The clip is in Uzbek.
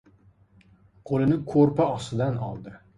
Qo‘lini ko‘rpa ostidan oldi.